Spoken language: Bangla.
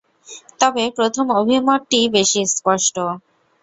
তবে প্রথম অভিমতটিই বেশি স্পষ্ট।